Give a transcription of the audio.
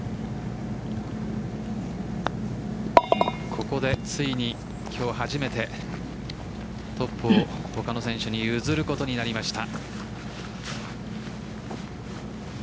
ここで、ついに今日初めてトップを他の選手に譲ることになりました。